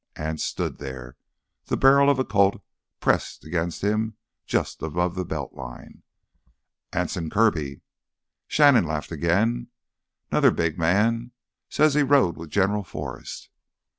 Anse stood there, the barrel of a Colt pushed against him just above the belt line. "Anson Kirby." Shannon laughed again. "'Nother big man—says he rode with General Forrest!"